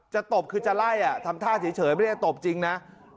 ตบคือจะไล่ทำท่าเฉยไม่ได้จะตบจริงนะ